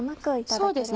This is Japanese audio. そうですね。